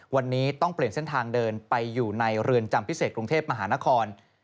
วันนี้ต้องเปลี่ยนเส้นทางเดินไปอยู่ในเรือนจำพิเศษกรุงเทพมหานคร